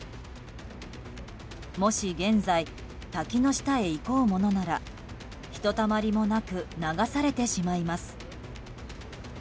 もし現在滝の下へ行こうものならひとたまりもなく流されてしまいます。